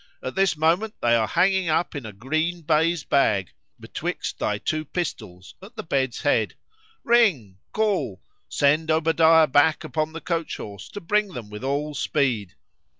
at this moment they are hanging up in a green bays bag, betwixt thy two pistols, at the bed's head!—Ring;—call;—send Obadiah back upon the coach horse to bring them with all speed.